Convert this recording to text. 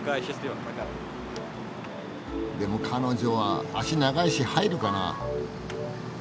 でも彼女は脚長いし入るかな？